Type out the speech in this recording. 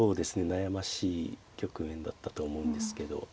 悩ましい局面だったと思うんですけど。